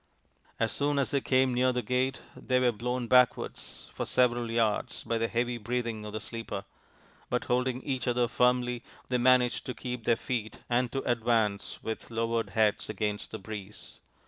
As soon as they came near the gate they were blown backwards for several yards by the heavy breathing of the sleeper, but, holding each other firmly, they managed to keep their feet and to advance with lowered heads against the breeze.